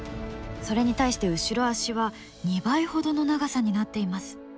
それに対して後ろ足は２倍ほどの長さになっています。